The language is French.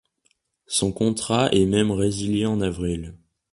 Son contrat est même résilié en avril.